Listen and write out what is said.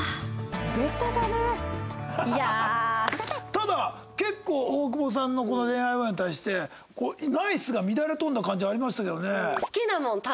ただ結構大久保さんの恋愛に対してＮＩＣＥが乱れ飛んだ感じありましたけどね。